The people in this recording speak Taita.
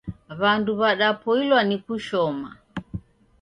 Wandu wadapoilwa ni kushoma.